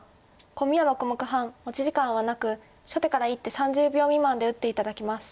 コミは６目半持ち時間はなく初手から１手３０秒未満で打って頂きます。